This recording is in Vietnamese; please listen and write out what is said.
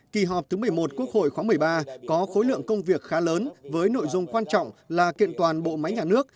kỳ họp thứ một mươi một quốc hội khóa một mươi ba có khối lượng công việc khá lớn với nội dung quan trọng là kiện toàn bộ máy nhà nước